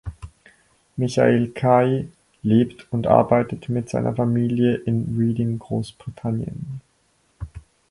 Michael Kay lebt und arbeitet mit seiner Familie in Reading, Großbritannien.